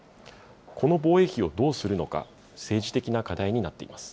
この防衛費をどうするのか、政治的な課題になっています。